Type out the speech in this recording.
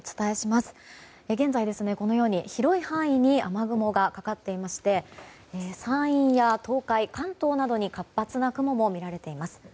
現在、広い範囲に雨雲がかかっていまして山陰や東海、関東などに活発な雲も見られています。